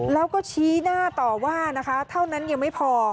แล้วก็ชี้หน้าต่อว่านะคะเท่านั้นยังไม่พอ